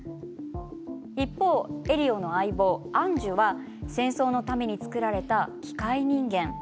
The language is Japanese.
エリオの相棒アンジュは戦争のために造られた機械人間。